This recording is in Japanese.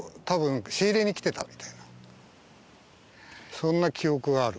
そんな記憶がある。